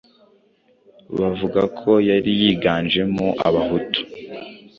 bavuga ko yari yiganjemo Abahutu.